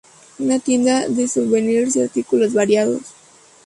Una tienda de souvenirs y artículos variados.